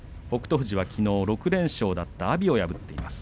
富士はきのう６連勝だった阿炎を破りました。